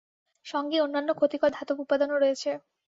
সঙ্গে অন্যান্য ক্ষতিকর ধাতব উপাদানও রয়েছে।